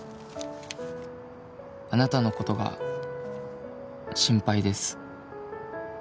「あなたのことが心配です」